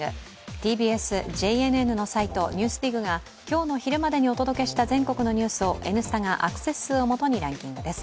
ＴＢＳ・ＪＮＮのサイト「ＮＥＷＳＤＩＧ」が今日の昼までにお届けした全国のニュースを「Ｎスタ」がアクセス数を基にランキングです。